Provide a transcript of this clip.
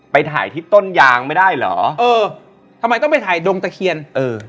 ไปถ่ายที่ต้นยางไม่ได้เหรอเออทำไมต้องไปถ่ายดงตะเคียนเออ